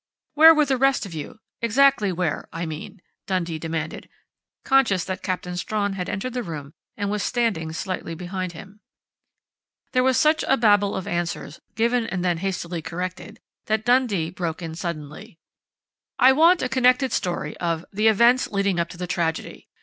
"Where were the rest of you exactly where, I mean?" Dundee demanded, conscious that Captain Strawn had entered the room and was standing slightly behind him. There was such a babel of answers, given and then hastily corrected, that Dundee broke in suddenly: "I want a connected story of 'the events leading up to the tragedy.'